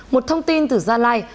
một thông tin từ gia lai